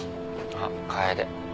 あっ楓。